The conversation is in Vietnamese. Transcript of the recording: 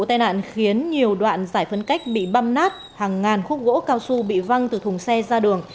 vụ tai nạn khiến nhiều đoạn giải phân cách bị băm nát hàng ngàn khúc gỗ cao su bị văng từ thùng xe ra đường